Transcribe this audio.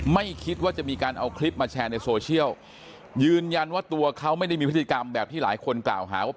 ไม่คิดว่าจะมีการเอาคลิปมาแชร์ในโซเชียล